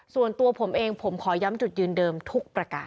ส่วนตัวผมเองผมขอย้ำจุดยืนเดิมทุกประการ